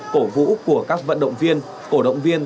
cổ vũ của các vận động viên cổ động viên